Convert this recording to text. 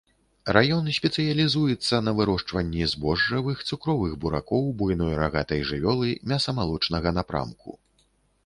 Раён спецыялізуецца на вырошчванні збожжавых, цукровых буракоў, буйной рагатай жывёлы мяса-малочнага напрамку.